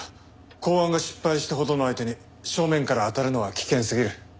公安が失敗したほどの相手に正面から当たるのは危険すぎる。